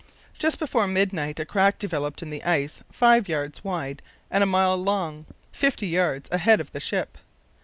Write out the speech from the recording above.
Just before midnight a crack developed in the ice five yards wide and a mile long, fifty yards ahead of the ship.